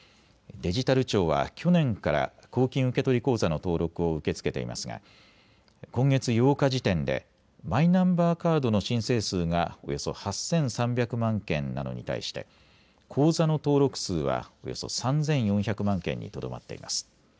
デジタル庁は去年から公金受取口座の登録を受け付けていますが今月８日時点でマイナンバーカードの申請数がおよそ８３００万件なのに対して口座の登録数はおよそ３４００万件にとどまっています。